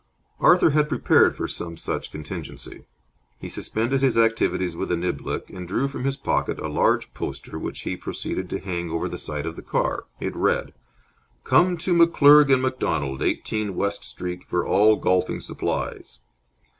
Arthur had prepared for some such contingency. He suspended his activities with the niblick, and drew from his pocket a large poster, which he proceeded to hang over the side of the car. It read: COME TO McCLURG AND MACDONALD, 18, WEST STREET, FOR ALL GOLFING SUPPLIES.